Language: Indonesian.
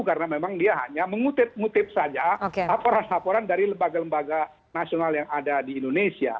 karena memang dia hanya mengutip ngutip saja laporan laporan dari lembaga lembaga nasional yang ada di indonesia